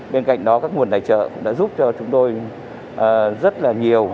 bên cạnh đó các nguồn đài trợ đã giúp cho chúng tôi rất là nhiều